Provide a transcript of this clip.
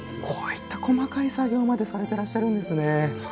こういった細かい作業までされていらっしゃるんですね。